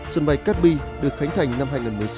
sân bay cát bi được khánh thành năm hai nghìn một mươi sáu